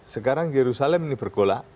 sekarang yerusalem ini bergola